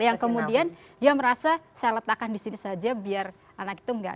yang kemudian dia merasa saya letakkan di sini saja biar anak itu nggak